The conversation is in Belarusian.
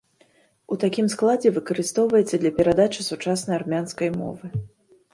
У такім складзе выкарыстоўваецца для перадачы сучаснай армянскай мовы.